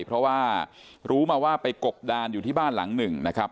เพราะว่ารู้มาว่าไปกบดานอยู่ที่บ้านหลังหนึ่งนะครับ